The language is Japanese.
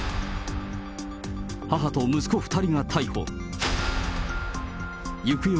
母と息子２人が逮捕。